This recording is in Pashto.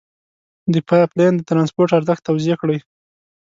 د پایپ لین د ترانسپورت ارزښت توضیع کړئ.